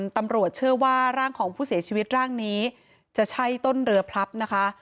ตำรวจเชื่อว่าร่างของผู้เสียชีวิตร่างนี้จะใช่ต้นเรือพลับนะคะ